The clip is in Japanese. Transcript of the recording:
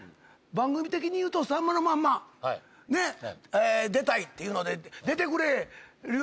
番組的に言うと『さんまのまんま』出たいっていうので出てくれるようになったのよ。